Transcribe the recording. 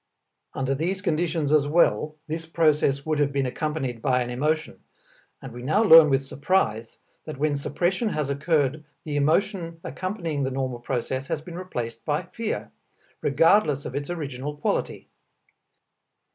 Under these conditions as well this process would have been accompanied by an emotion, and we now learn with surprise that when suppression has occurred the emotion accompanying the normal process has been replaced by fear, regardless of its original quality.